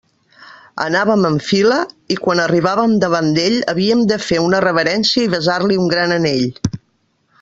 Anàvem en fila, i quan arribàvem davant d'ell havíem de fer una reverència i besar-li un gran anell.